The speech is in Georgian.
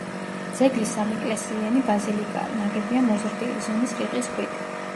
ძეგლი სამეკლესიიანი ბაზილიკაა, ნაგებია მოზრდილი ზომის რიყის ქვით.